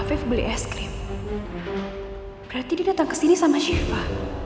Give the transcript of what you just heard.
afif beli es krim berarti dia datang kesini sama syifa